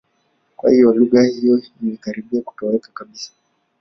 Kwa hiyo, lugha hiyo imekaribia kutoweka kabisa.